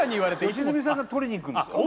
良純さんが取りに行くんですよね